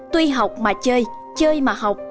tuy học mà chơi chơi mà học